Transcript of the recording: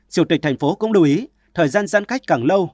chủ tịch thành phố cũng đồng ý thời gian gian cách càng lâu